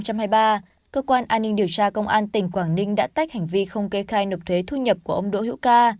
cơ quan an ninh điều tra công an tỉnh quảng ninh đã tách hành vi không kê khai nộp thuế thu nhập của ông đỗ hữu ca